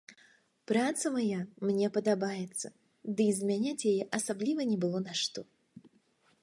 Праца мая мне падабаецца, ды і змяняць яе асабліва не было на што.